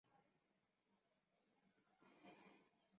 民国九年肄业于金陵警官学校。